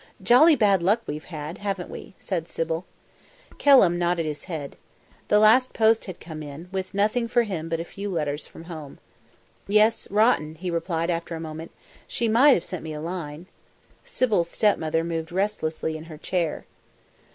"Jolly bad luck we've had, haven't we?" said Sybil. Kelham nodded his head. The last post had come in, with nothing for him but a few letters from home. "Yes, rotten!" he replied after a moment. "She might have sent me a line." Sybil's stepmother moved restlessly in her chair.